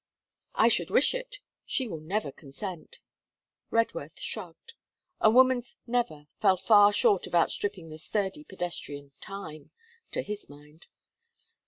'I should wish it. She will never consent.' Redworth shrugged. A woman's 'never' fell far short of outstripping the sturdy pedestrian Time, to his mind.